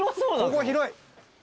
ここは広い。